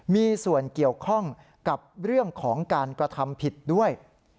มีส่วนเกี่ยวข้องกับเรื่องของการกระทำผิดด้วย